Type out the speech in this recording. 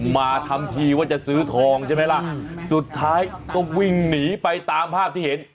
มาทำทีว่าจะซื้อทองใช่ไหมล่ะสุดท้ายก็วิ่งหนีไปตามภาพที่เห็น